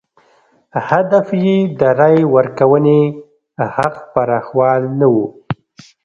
هدف یې د رایې ورکونې حق پراخوال نه و.